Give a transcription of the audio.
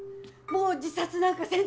もう自殺なんかせんて。